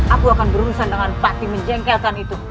aku akan berurusan dengan pati menjengkelkan itu